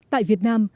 tại việt nam